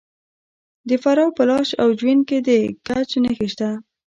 د فراه په لاش او جوین کې د ګچ نښې شته.